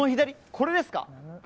これですか。